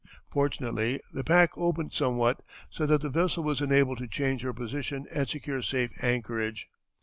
Fortunately the pack opened somewhat, so that the vessel was enabled to change her position and secure safe anchorage.